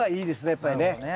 やっぱりね。